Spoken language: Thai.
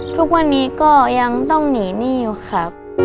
ทุกวันนี้ก็ยังต้องหนีหนี้อยู่ครับ